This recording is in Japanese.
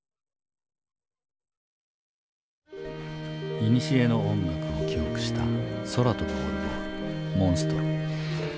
いにしえの音楽を記憶した空飛ぶオルゴール「モンストロ」。